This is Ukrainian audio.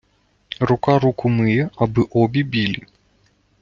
Рука руку миє, аби обі білі.